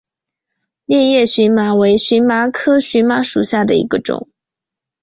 裂叶荨麻为荨麻科荨麻属下的一个种。